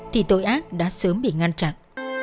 thì tội ác đã sớm bị ngăn chặn